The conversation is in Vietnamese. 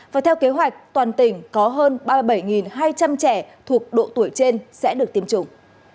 và theo kế hoạch toàn tỉnh có hơn ba mươi bảy hai trăm linh trẻ thuộc độ tuổi trên sẽ được tiêm chủng